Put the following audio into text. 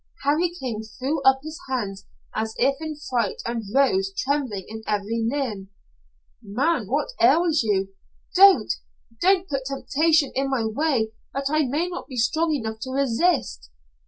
Harry King threw up his hands as if in fright and rose, trembling in every limb. "Man, what ails you?" "Don't. Don't put temptation in my way that I may not be strong enough to resist."